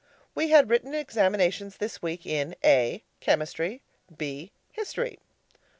We had written examinations this week in: A. Chemistry. B. History.